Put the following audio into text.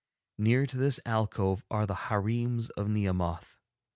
Near to this alcove are the hareems of Nehemoth.